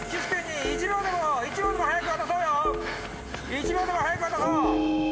１秒でも早く渡そう。